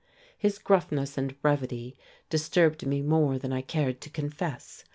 His gruffness and brevity disturbed me more than I cared to confess.